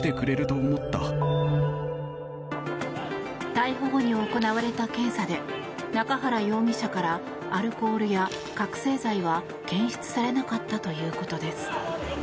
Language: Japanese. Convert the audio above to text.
逮捕後に行われた検査で中原容疑者からアルコールや覚醒剤は検出されなかったということです。